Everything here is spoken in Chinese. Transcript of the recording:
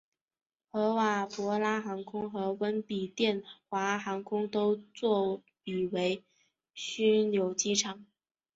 合瓦博拉航空和温比殿华航空都作比为枢纽机场。